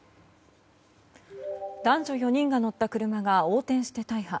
男女４人が乗った車が横転して大破。